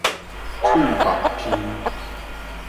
喙目鼻